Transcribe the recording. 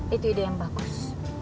itu ide yang bagus